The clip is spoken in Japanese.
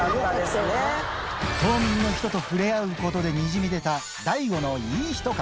島民の人と触れ合うことでにじみ出た大悟のいい人感。